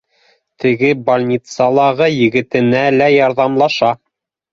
Теге больницалағы егетенә лә ярҙамлаша